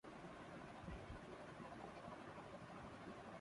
Panama Bahamas leaks میں شامل افراد کی معلومات لینے کی ہدایت